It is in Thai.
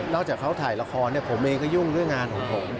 นอกจากเขาถ่ายละครผมเองก็ยุ่งเรื่องงานของผม